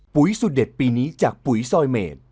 สุดเด็ดปีนี้จากปุ๋ยซอยเมด